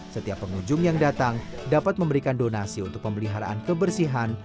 setiap pengunjung yang datang dapat memberikan donasi untuk pemeliharaan kebersihan